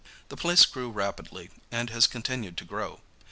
The place grew rapidly and has continued to grow.